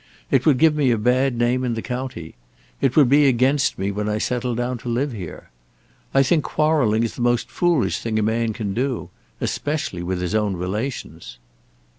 It would give me a bad name in the county. It would be against me when I settle down to live here. I think quarrelling is the most foolish thing a man can do, especially with his own relations."